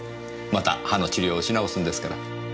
また歯の治療をし直すんですから。